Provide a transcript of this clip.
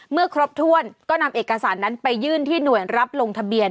เมื่อครบถ้วนก็นำเอกสารนั้นไปยื่นที่หน่วยรับลงทะเบียน